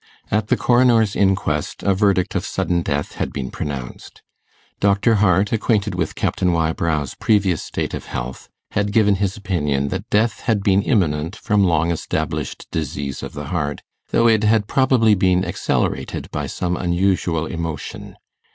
At the coroner's inquest a verdict of sudden death had been pronounced. Dr Hart, acquainted with Captain Wybrow's previous state of health, had given his opinion that death had been imminent from long established disease of the heart, though it had probably been accelerated by some unusual emotion.